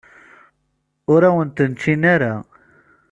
Ur awen-ten-ččin ara.